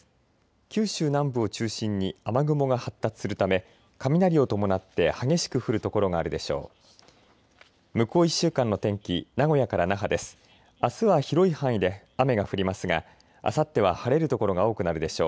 九州南部を中心に雨雲が発達するため雷を伴って激しく降る所があるでしょう。